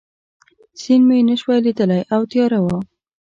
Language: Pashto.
سیند مې نه شوای لیدای او تیاره وه.